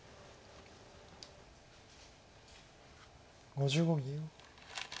５５秒。